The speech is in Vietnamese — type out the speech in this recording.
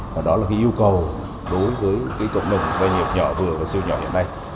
và đó là cái yêu cầu đối với cộng đồng doanh nghiệp nhỏ vừa và siêu nhỏ hiện nay